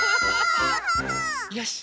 よし！